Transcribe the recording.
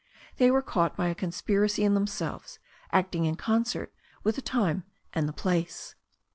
They were caught by a conspiracy in themselves acting in concert with the time and the place.